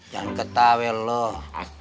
jangan ketawa loh